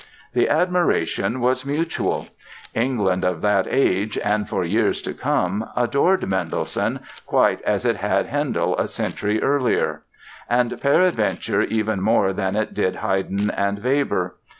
The admiration was mutual! England of that age (and for years to come) adored Mendelssohn quite as it had Handel a century earlier and peradventure even more than it did Haydn and Weber.